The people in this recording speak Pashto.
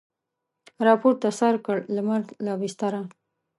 راپورته سر کړ لمر له بستره